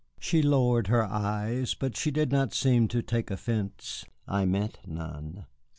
She lowered her eyes, but she did not seem to take offence. I meant none.